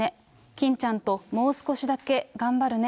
キンちゃんと、もう少しだけ頑張るね。